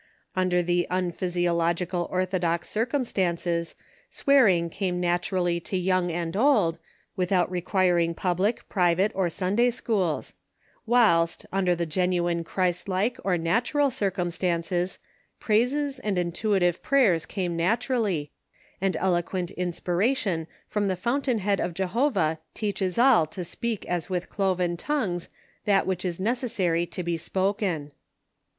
Under tlie unpliysiological orthodox circimistances, swearing came naturally to young and old, without requir ing public, private or Sunday schools ; whilst, under the genuine Christ like or natural circumstances, praises and intuitive prayers come naturally, and eloquent inspiration from the fountain head of Jehovah teaches all to speak as with cloven tongues that which is necessary to be spoken.